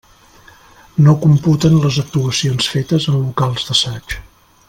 No computen les actuacions fetes en locals d'assaig.